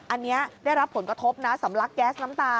อันนี้ได้รับผลกระทบนะสำลักแก๊สน้ำตา